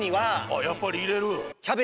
あやっぱりいれる？